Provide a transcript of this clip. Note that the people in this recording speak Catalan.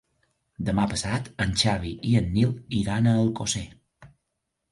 Demà passat en Xavi i en Nil iran a Alcosser.